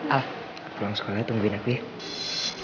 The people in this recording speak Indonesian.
al pulang sekolah tungguin aku ya